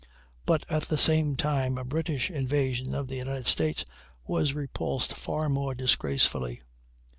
But at the same time a British invasion of the United States was repulsed far more disgracefully.